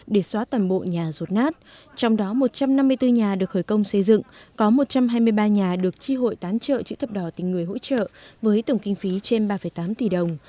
với một trăm năm mươi bốn nhà được khởi công xây dựng có một trăm hai mươi ba nhà được tri hội tán trợ chữ thập đỏ tình người hỗ trợ với tổng kinh phí trên ba tám tỷ đồng